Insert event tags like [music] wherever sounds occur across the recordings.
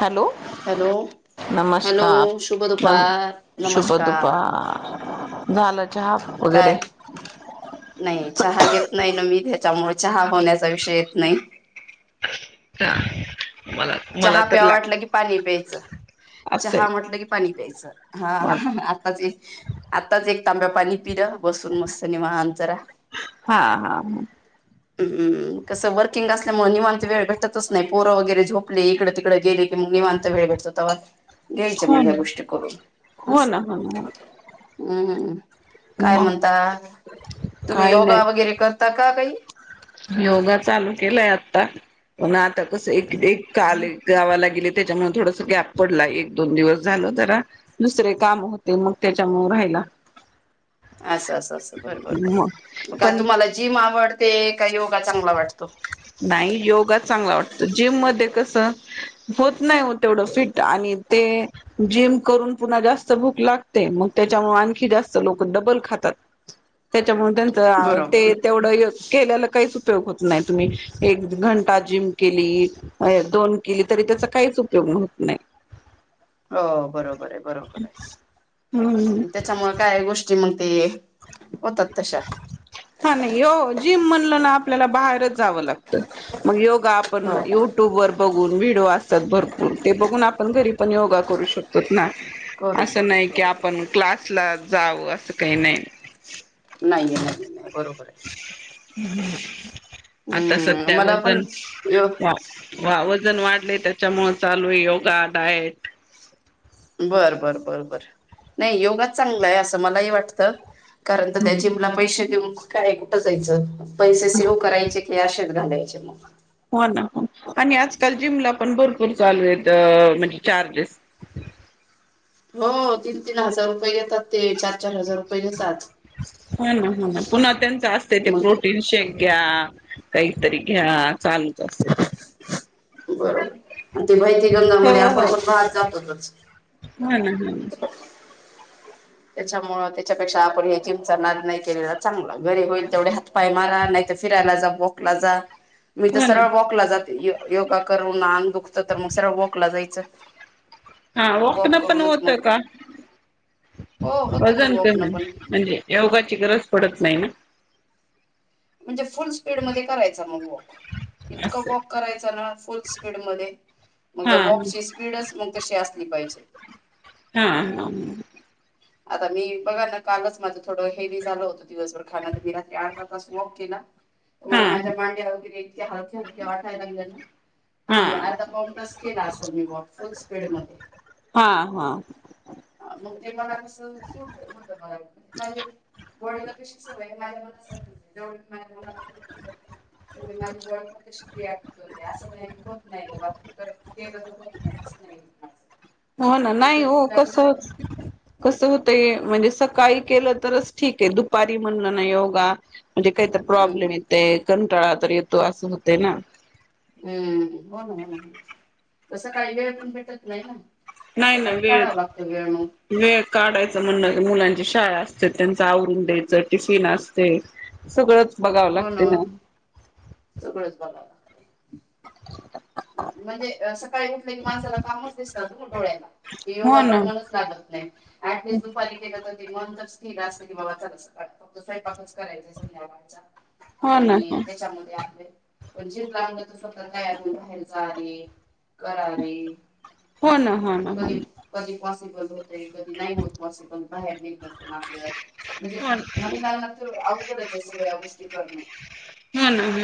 Hello hello नमस्कार hello शुभ नम दुपार शुभ नमस्कार दुभार झालं चहाप काय वगैरे नाही चहा घेत नाही ना मी त्याच्यामुळे चहा होण्याचा विषय येत नाही ह चहा प्यावा वाटलं की पाणी प्यायचं असं चहा आहे म्हटलं की पाणी प्यायचं हा आताच आताच एक तांब्या पाणी पिलं बसून मस्त निमाहा अंतरा हा हा ह हमम कसं वर्किंग असल्यामुळे निवांत वेळ भेटतच नाही पोरं वगैरे झोपले इकडे तिकडडे गेले की मग निवांत वेळ भेटतो तेव्हा घ्यायच मग या गोष्टी करून हो ना हो हो हम्मम काय मग म्हणता तुम्ही काही योगा नाही वगैरे करता का काही योगा चालू केलाय आता, पण आता कस एक काल गावाला गे - - त्याच्यामुळं थोडस गॅप पडला. एक दोन दिवस झालं जरा दुसरे काम होते मग त्याच्यामुळ राहिल. असंं असं असं बर बर मग बर का पण तुम्हाला जिम आवड - - ते का योगा चांगला वाटतो. नाही योगा चांगला वाटतो. जिम मध्ये कस होत नाही आ तेवढं फिट आणि ते जिम करून पुन्हा जात भूक लागते. मग त्याच्या आणखी जास्त लोकडबल खा तात. त्याच्यामुळ त्यांच बरोबर ते तेवढं केलेल काहीच उपयोग होत नाही. तुम्ही एक घंटा जिम केली. दोन केली. तरी त्याचा काहीच उपयोग होत नाही. हो बरोबर हाय बरोबर हम्म हाय त्याच्यामुळे काय गोष्टी म्हण- - ते. होतात तशा हा नाही हो जिम म्हणल ना आपल्याला बाहेरच - - जावं लागतं मग योगा आपण हो युट्युब वर बघून व्हिडिओ असत्यात भरपूर ते बघून आपण घरी पण योगा करू शकतो ना. करू असं नाही शकतो की आपण क्लासला जावं असं काही नाही. नाही नाही नाही बरोबर हाय. ह आता सध्या मला पण वजण यो व वजन वाढलयं त्याच्यामुंळे चालूए योगा डायट. बर बर बर बर नाही योगा चांगला आहे असं मलाही वाटत. कारण तर त्याचे मला पैसे देऊन काय कुठं जायचं पैसे सेव्ह करायचे की अशेच घालायचे. मग हो ना आणि आजकाल जिमला पण भरपूर चालू म्हणजे चार्जेस. हो तीन तीन हजार रुपये घेतात. ते चार चार हजार रुपये घेतात. हो ना हो ना, पुन्हा त्यांच असते ते मग प्रोटीन शेंक- - घ्या. काहीतरी घ्या. चालूच असतयं ते. बरोबर आणि ते भैती गंगामध्ये आपण पण बाहेर जातोच. हम् हम्. त्याच्यामुळ त्याच्यापेक्षा आपण हे जिमचा नाद नाही केलेला चांगला घरी होईल तेवढे हातपाय मारा नाही - - फिरायला जा. वॉकला जा. मी तर हो ना सरळ वॉकला जाते. योगा करून अंग दुखत तर मग सरळ वॉकला जायचं. हा वॉकन वॉक पण करूनच होत मग का? हो होतं ना वजन वॉकनं कमी पण म्हणजे योगाची गरज पडत नाही ना. म्हणजे फुल स्पीड मध्ये करायचा मग वॉक इतकं असं वॉक करायच ना फुल स्पीड मध्ये मग हा त्या वॉकची स्पीडच मग तशी असली पाहिजे. हा हम. आता मी बघा ना कालच माझं थोडं हेवी झालं होत दिवसभर खाण तर मी रात्री अर्धा तास वॉक केला. तर हा मला माझ्या मांड्या वगैरे इतक्या हलक्या हलक्या वाटायला लागल्या ना. कि हा आता पाण तास केला असेल मी वॉक फुल स्पीड मध्ये. हां. मग ते मला कसं सुट होत मला ते माझ्या बॉडिला कशी सवय हाय [unintelligible] माझी बॉडी पण तशी रिॲक्ट करते असं नाही होत नाही ग केलं तर होत नाही असं नाही. [unintelligible] हो ना मी नाही जर हो कुठल्या कस गोष्टी कस होतय म्हणजे सकाळी केलं तर ठिकं हाय. दुपारी म्हणल ना योगा म्हणजे काहितरी हम्म, प्रॉब्लेम येतोय. कं - - टाळा तरी येतो असं होते ना. हम् हो ना, हो ना, हो. तसं काही वेळ पण भेटत नाही ना. नाही ना. सकाळी वेळ काढावा लागतो वेळ मग वेळ - - काढायचं म्हणणं मुलांची शाळा असते. त्यांच आवरून द्यायचं. टिफिन असते. सगळं हो ना. सगळंच बगाव लागतयं. [unintelligible] म्हणजे सकाळी उठले क माणसाला कामच दिसतात डोळ्याला क हो ना योगाकड मनच लागत नाही अऍटेला ते मन तरच केलं असतं की बाबा ला स फक्त स्वंपाकच करायचं संध्याकाळचा हो ना आणि हो त्याच्यामध्ये आपले पण जे प्लं फक्त तयार हो हजारी करारी हो ना हो ना हो ना वास बो धी नाहीत पसबल बाहेर निघ प आप म्हणजे हो महिलांना तर सगळ्या गोष्टी ह ना ह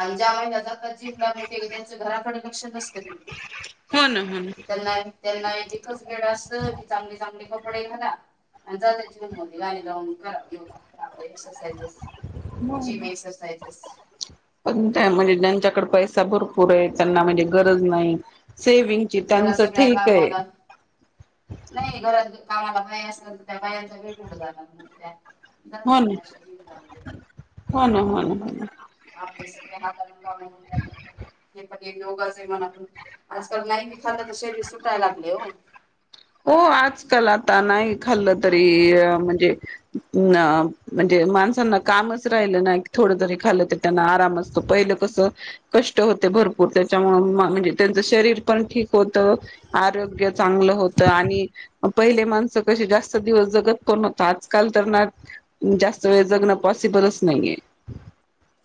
आणि ज्या म्हहि ज का जिंला म्हण ते त्यांच्या घराकडे लक्ष नसत ना हो ना हो त्यांना एकच गेड अस की चांगली चांगली कपडे घाला आणि जातची मो गाणी लाून करा योगा आपले एक्सरसाजेस जी म ना एक्सरसाजेस पण त्या म्हणजे ज्यांच्याकडे पैसा भरपूर आहे त्यांना म्हणजे गरज नाही सेविंगची घरात त्यांचं सगळ्या ठीक आहे कामाला नाही घरात कामाला बाय असतल तर त्या बायांचा वेळ उड झाला त्या हो जातात ना मग अशा जिमला हो ना हो ना हो ना ब हे पण लोगाे मत आजकाल नाही बी खाल्लं तर शरीर सुटायला लागले हो हो आजकाल आता नाही खाल्लं तरी म्हणजे म्हणजे माणसांना कामच राहिल ना ोड ख त्यांना आमत पहि कस क होते भरपूर त्याच्या शरीर पण ठीक होत आरोग्य चांगलं होत आणि पहिले माणस कशी जास्त दिवस जगत पण होत आजकाल तर ना जास्त जगणं पॉसिबलच नाहीये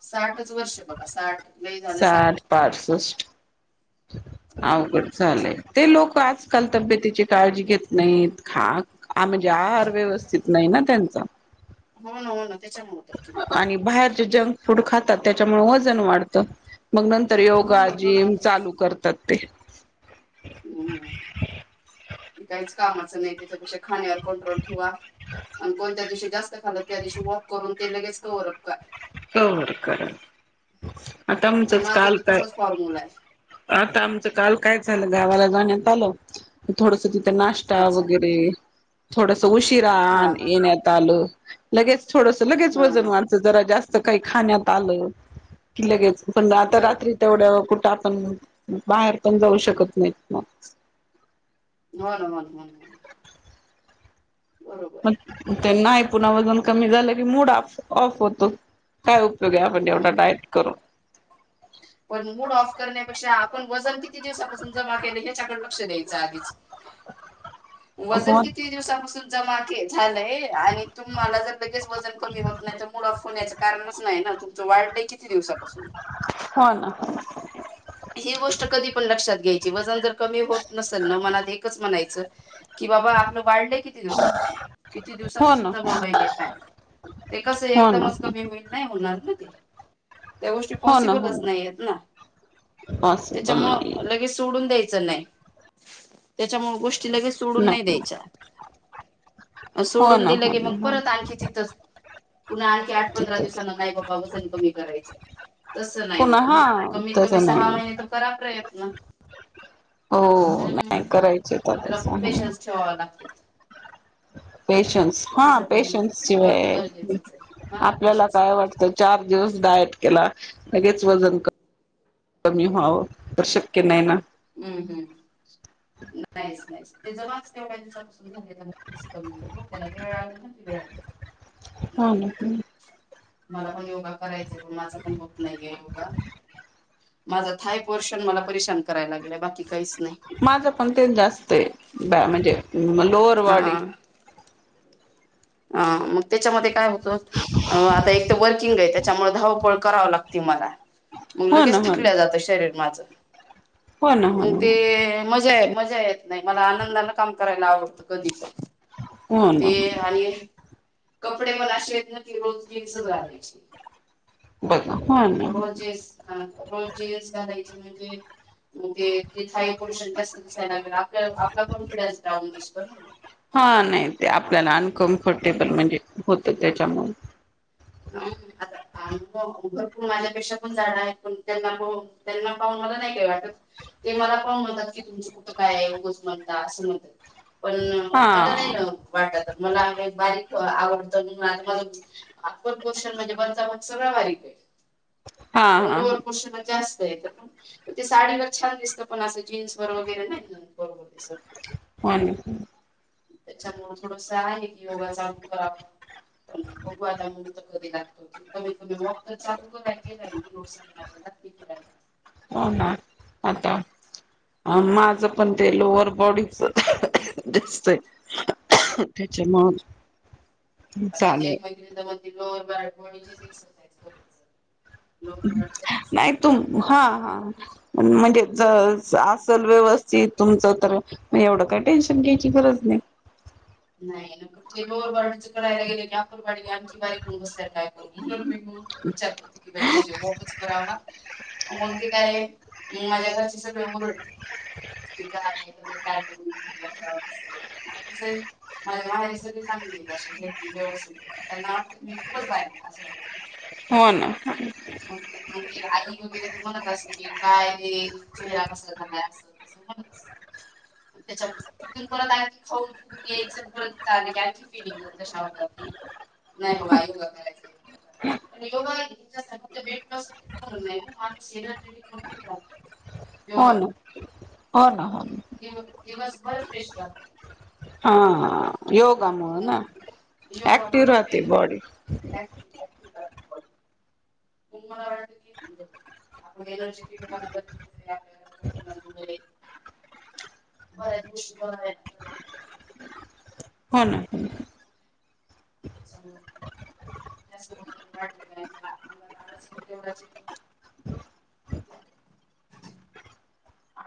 साठच वर्ष बघा साठ लई झालं साठ अवघड लंय ते लोक आजकाल तब्येतीची काळजी घेत नाहीत खाक आ म्हणजे आार व्यवस्थित नाही ना त्यांचा हो ना हो ना त्याच्यामु तर कि मग आणि बाहेरचे जंक फूड खातात त्याच्यामुळे वजन वाढतं मग नंतर हो योगा ना हो ना जिम चालू करतात ते का त्याच्यापेक्षा खाण्यावर कंट्रोल ठेवा कोणत्या दिवशी जास्त खाल त्या दिवशी वॉक करून ते लगेच कप का होकर आता आमचंच माझा काल तर काय तसाच फॉर्म्युला आता आमचं काल काय गावाला जाण्यात आलं थोडस तिथं नाश्ता आहे अच्छा वगैरे थोड उशिरा हा हा येण्यात आलं लगेच थोडस लगेच हा वजन हा वाढत जरा जास्तच काही खाण्यात आलं की लगेच पण आता बरोबर रात्री तेवढ्यावर कुठं आपण बाहेर पण जाऊ शकत नाहीत मग बर बर बर. मग ते नाही पुन्हा वजन कमी झालं की मूड ऑफ होतो काय करूया आपण आहे तेवढा हम्म डायट करून. [inaudible] पण मूड ऑफ करण्यापेक्षा आपण वजन किती दिवसापासून जमा केलं ह्याच्याकडे लक्ष द्यायचं आधीच. वजन हो किती दिवसापासून जमा केल झाल. आणि तुम्हाला जर लगेच वजन कमी होत नाही तर मुड ऑफ होण्याच कारणच नाही ना तुमचं वाढलय किती दिवसापासून हो ना. ही गोष्ट कधी पण लक्षात घ्यायची वजन जर कमी होत नसेल ना मनात एकच म्हणायचं कि बाबा आपलं बायोटेक किती दिवसापासून किती हो दिवसापासून ना जमा होईलय फॅट. ते कसं हो ना एकदमच कमी होईल नाही होणार ना ते. त्या गोष्टी हो ना हो पॉसिबलच नाही आहेत ना पॉसिबल नाही त्याच्यामुळे लगेच सोडून द्यायच नाही त्याच्यामुळे गोष्टी लगेच सोडून नाही द्यायच्या. अ हो सोडून ना दिलं हो की ना मग हो परत ना आणखी तिथच पुन्हा आणखी आठ पंधरा तिथेच दिवसांन नाही बाबा वजन कमी करायच. तसं नाही पुन्हा होत ना हा कमीत कमी तसं सहा नाही महिने तर करा प्रयत्न. हो हम्म नाही करायचे तर त्याला खूप तसं पेशन्स ठेवावे लागतेत. पेशन्स हा पेशन्स करणं शिवाय गरजेचंच आहे हा आपल्याला पेशन्स काय पाहिजे. वाटतं चार दिवस डायट केला लगेच दोनजन कमी व्हावं तर शक्य नाही ना हम्म हम्म नाहीच नाहीस ते ज माच केवढ्या दिवसापसून झाले कस कमी होईल त्याला वेळा आ नािळा [unintelligible] ह हो ना मला पण योगा करायच आहे पण माझं पण होत नाही आहे योगा. माझा थाय पोर्शन मला परेशान कराला लागलंय बाकी काहीच नाही. माझं पण ते जास्त आहे म्हणजे लोअर बॉडी अ मग त्याच्यामध्ये काय होत आता एक तर वर्किंग आहे. त्याच्यामुळे धावपळ कराव लागते मला मग हो ना लगेच हो ना थकल्या जातं शरीर माझं. हो ना हो म ते ना मजा आहे मजा येत नाही मला आनंदान काम करायला आवडतं कधीच हो ना ते आणि कपडे मला शेत न [unintelligible] रोज जीन्स घालायची बघा हो ना रोजेस [unintelligible] रोजेस घालायचे म्हणजे? म्हणजे ते हाय पोर्शन जास्त दिसायला लागेल आप आपला कॉन्फिडन्स डाऊन दिसतो ना. हा नाही ते आपल्याला अनकम्फर्टेबल म्हणजे होतं त्याच्यामुळे हम् [unintelligible] मग भरपूर माझ्यापेक्षा पण जाडा आहेत पण त्यांना पाहून त्यांना पाहून मला नाही काय वाटत. ते मला पण म्हणतात की तुमचं कुठं काय आहे उगंच म्हणता असं म्हणतात पण हा मला नाही वाटत मला बारीक आवडत आता माझ अप्पर पोर्षण म्हणजे वरचा भाग सगळा बारीक आहे हा हा पण हा लोअर पोर्शन जास्त पण ते साडीवर छान दिसतं पण अस जीन्स वर वगैरे नाही दिसत हो ना त्याच्यामुळे थोडसं योगा चालू करा पण वादामुत कधी लागत ते [unintelligible] हो ना आता माझं पण ते लोअर बॉडीच दिसतय त्याच्या मूळ माझी एक मैत्री तर म्हणते लोअर बॉडी एक्सरसाइझ नाही तु हा हा म्हणजे असेल व्यवस्थित तुमचं तर एवढं काय टेन्शन घ्यायची गरज नाही ह नाही लोरडीच करायला गेले कापर बारीकण बसायला काय करून मी विचार करते की जाऊ दे वॉकच करावा मग ते काय मग माझ्या घरचे सगळ रडत ते काय काय ब असं कस आता कस आहे मलाव हे सगळे चांगली आहेत हेती व्यवस्थित आहेत त्यांना वाट मी खूपच राहि असं वाटत हो ना मग ते आई वगैरे तर म्हणत असते की काय औषधा अस म्हणत असत त्याच्या तिथून परत आणखी खाऊन फुकून यायच परत आणखी फिलिंग नाही बाबा योगा करायचारा योगा घ [unintelligible] हो ना! हो ना! ना दिवस भर फ्रेश राहत. हा हा योगा म्हणून ना ऍक्टिव योगामुळे राहते बॉडी. ममला अ [unintelligible] आप ज श कीहं गरजेचं आहे आपल्या [unintelligible] बरेच गोष्टी [unintelligible] हो ना! ते [unintelligible] जास्त बज वाढली आमलाड तेवढाच तो, [unintelligible] आ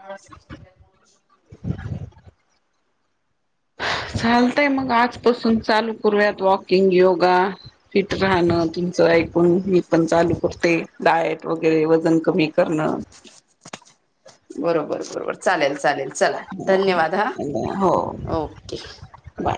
चालतय मग आजपासून चालू करूयात वॉकिंग योगा. फिट राहणं तुमचं एक आपण मी पण चालू करते, डायट वगैरे वजन कमी करण. बरोबर बरोबर चालेल चालेल चला धन्यवाद. आ हो ओके! बाय.